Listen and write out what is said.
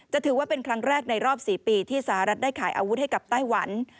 ถือว่าเป็นครั้งแรกในรอบ๔ปีที่สหรัฐได้ขายอาวุธให้กับไต้หวัน